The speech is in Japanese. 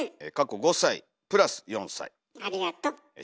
ありがと。